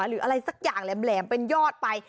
หรืออะไรสักอย่างแหลมเป็นยอดไป